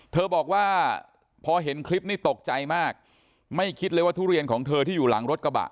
เธอบอกว่าพอเห็นคลิปนี้ตกใจมากไม่คิดเลยว่าทุเรียนของเธอที่อยู่หลังรถกระบะ